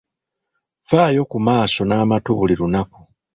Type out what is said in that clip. Faayo ku maaso n’amatu buli lunaku.